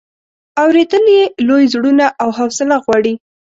اورېدل یې لوی زړونه او حوصله غواړي.